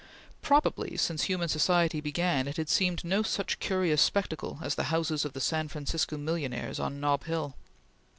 Probably, since human society began, it had seen no such curious spectacle as the houses of the San Francisco millionaires on Nob Hill.